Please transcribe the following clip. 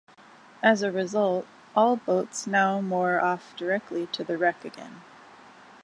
As a result, all boats now moor off directly to the wreck again.